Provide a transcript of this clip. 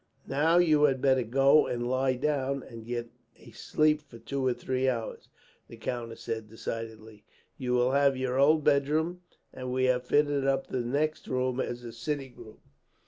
"Now you had better go and lie down, and get a sleep for two or three hours," the countess said, decidedly. "You will have your old bedroom, and we have fitted up the next room as a sitting room.